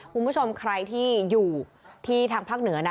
คุณผู้ชมใครที่อยู่ที่ทางภาคเหนือนะ